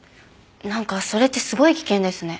なんかそれってすごい危険ですね。